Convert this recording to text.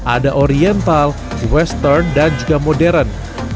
ada oriental western dan juga modern